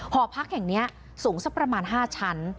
หอพักแห่งนี้สูงสักประมาณ๕ชั้น